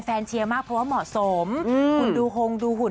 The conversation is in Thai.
แฟนเชียร์มากเพราะว่าเหมาะสมอืมห่วงดูหุ่นบูรรด์